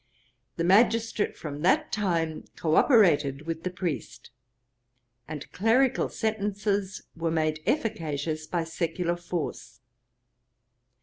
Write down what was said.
The magistrate from that time co operated with the priest, and clerical sentences were made efficacious by secular force.